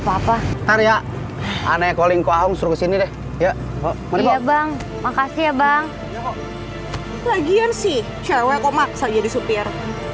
papek tarya anai calling kohong steve sini deh ya bancasnya bang lagian sih cewek comment odd sopir